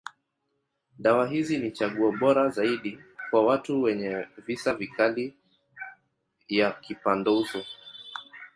Dawa hizi ni chaguo bora zaidi kwa watu wenye visa vikali ya kipandauso.